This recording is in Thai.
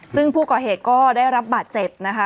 ซึ่งผู้ก่อเหตุก็ได้รับบาดเจ็บนะคะ